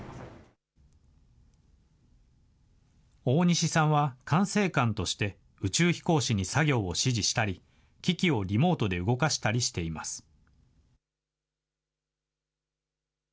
大西さんは管制官として、宇宙飛行士に作業を指示したり、機器をリモートで動かしたりしています。